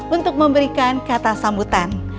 untuk memberikan kata sambutan